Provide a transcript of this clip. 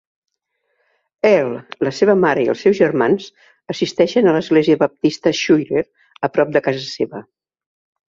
Earl, la seva mare i els seus germans assisteixen a l'església baptista Schuyler, a prop de casa seva.